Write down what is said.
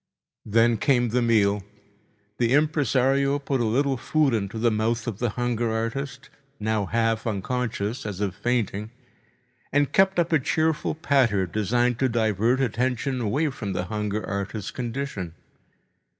Then came the meal. The impresario put a little food into mouth of the hunger artist, now half unconscious, as if fainting, and kept up a cheerful patter designed to divert attention away from the hunger artist's condition.